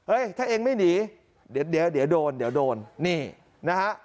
เฮ้ยถ้าเองไม่หนีเดี๋ยวโดนนี่นะฮะ